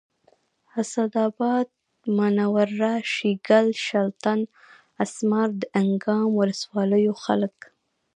اسداباد منوره شیګل شلتن اسمار دانګام ولسوالیو خلک